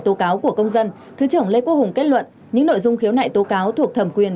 tố cáo của công dân thứ trưởng lê quốc hùng kết luận những nội dung khiếu nại tố cáo thuộc thẩm quyền